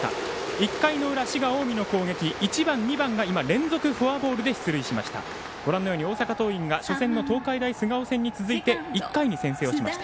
１回の裏、近江の攻撃１番、２番が連続フォアボールで出塁しました。